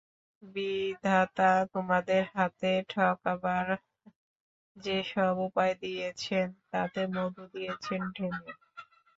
বিধাতা তোমাদের হাতে ঠকাবার যে-সব উপায় দিয়েছেন তাতে মধু দিয়েছেন ঢেলে।